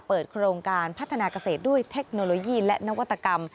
โครงการพัฒนาเกษตรด้วยเทคโนโลยีและนวัตกรรม